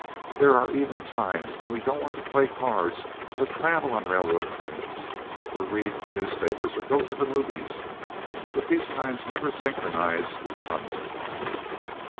There are even times when we don't want to play cards or travel on railroad trains or read the newspapers or go to the movies, but these times never synchronize with Sunday.